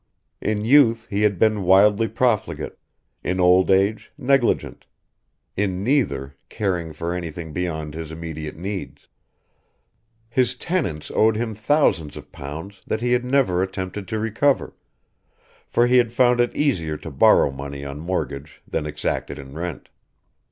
In youth he had been wildly profligate, in old age negligent, in neither caring for anything beyond his immediate needs. His tenants owed him thousands of pounds that he had never attempted to recover, for he had found it easier to borrow money on mortgage than exact it in rent.